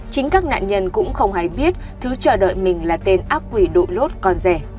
chính các nạn nhân cũng không hay biết thứ chờ đợi mình là tên ác quỷ đội lốt còn rẻ